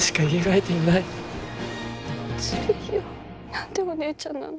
何でお姉ちゃんなの。